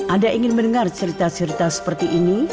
anda ingin mendengar cerita cerita seperti ini